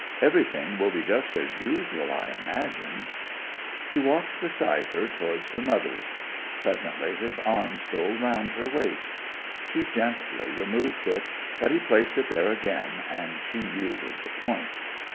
'Everything will be just as usual, I imagine?' He walked beside her towards her mother's. Presently his arm stole round her waist. She gently removed it; but he placed it there again, and she yielded the point.